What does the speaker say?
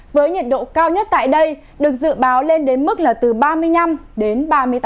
với nhiệt độ cao nhất tại đây được dự báo lên đến mức là từ ba mươi năm đến ba mươi tám